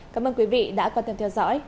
cảm ơn quý vị đã quan tâm theo dõi